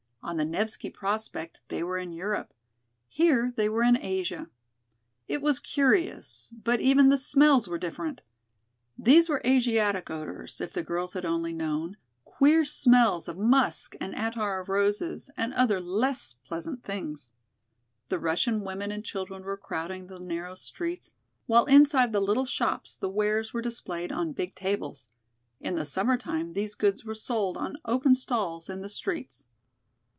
On the Nevski Prospect they were in Europe; here they were in Asia. It was curious, but even the smells were different. These were Asiatic odors, if the girls had only known, queer smells of musk and attar of roses and other less pleasant things. The Russian women and children were crowding the narrow streets, while inside the little shops the wares were displayed on big tables. In the summer time these goods were sold on open stalls in the streets.